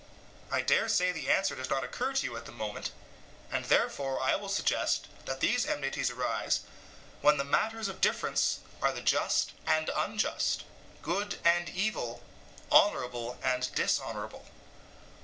I dare say the answer does not occur to you at the moment, and therefore I will suggest that these enmities arise when the matters of difference are the just and unjust, good and evil, honourable and dishonourable.